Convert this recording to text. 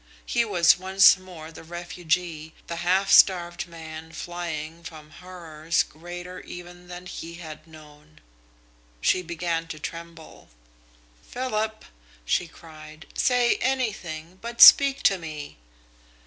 He was once more the refugee, the half starved man flying from horrors greater even than he had known. She began to tremble. "Philip!" she cried. "Say anything, but speak to me!"